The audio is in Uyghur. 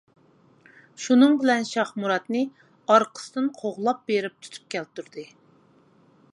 شۇنىڭ بىلەن شاھ مۇرادنى ئارقىسىدىن قوغلاپ بېرىپ تۇتۇپ كەلتۈردى.